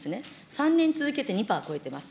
３年続けて２パー超えてます。